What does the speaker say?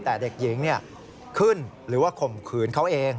แต่เด็กหญิงขึ้นหรือว่าข่มขืนเขาเอง